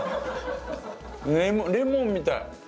レモンみたい。